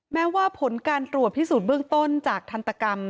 แม้ว่าผลการตรวจพิสูจน์เบื้องต้นจากทันตกรรม